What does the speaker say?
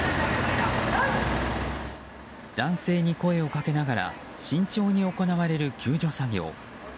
男性に声をかけながら慎重に行われる救助作業。